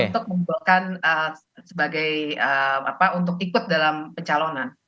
untuk membuatkan sebagai apa untuk ikut dalam pencalonan